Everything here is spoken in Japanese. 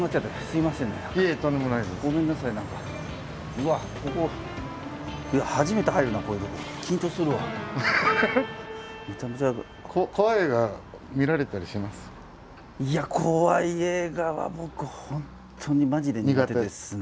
いや怖い映画は僕本当にマジで苦手ですね。